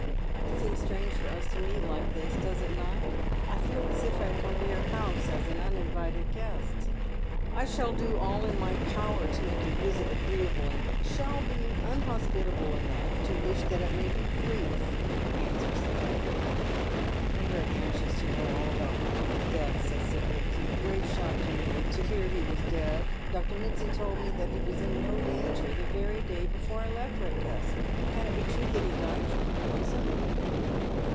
" It seems strange for us to meet like tliis, does it not ? I feel as if I had come to your house as an uninvited guest." " I shall do all in my power to make your visit agreeable, and shall be unhoepitable enough to wish that it may be brief,'' answers the captain. " I am very anxious to know all about my uncle's death," says Sibyl. " It was a great shock to me to hear that he was dead. Dr. Mitsand told me that he was in no danger the very day before I left Pedcastle. Can it be true that he died from poison